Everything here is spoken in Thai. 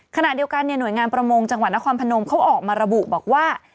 ขณะเดียวกันหน่วยงานประมงจังหวัดนครพนมเขาออกมาระบุบอกว่า